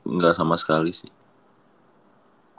enggak sama sekali sih